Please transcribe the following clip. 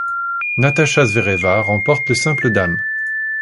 Natasha Zvereva remporte le simple dames.